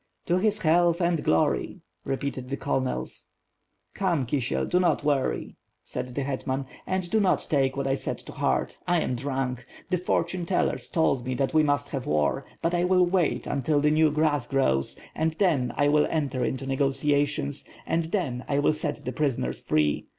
"To his health and glory," repeated the colonels. "Come, Kisiel, do not worry," said the hetman, "and do not take what I said to heart, I am drunk. The fortune tellers told me that we must have war, but I will wait until the new grass grows; and then I will enter into negotiations; and then I will set the prisoner * free.